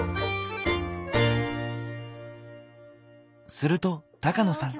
すると高野さん